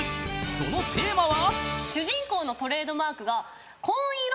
［そのテーマは］